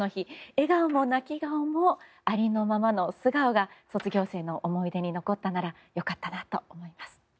笑顔も泣き顔もありのままの素顔が卒業生の思い出に残ったなら良かったなと思います。